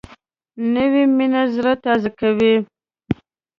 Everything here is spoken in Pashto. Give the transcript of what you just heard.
نوې مینه زړه تازه کوي